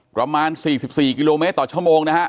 ประมาณ๔๔กิโลเมตรต่อชั่วโมงนะฮะ